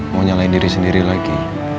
mau nyalain diri sendiri lagi